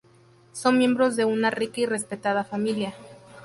Son miembros de una rica y respetada familia.